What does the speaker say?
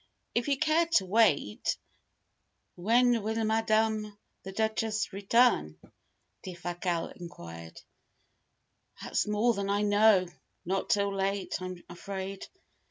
If you care to wait " "When will Madame the Duchess return?" Defasquelle enquired. "That's more than I know. Not till late, I'm afraid."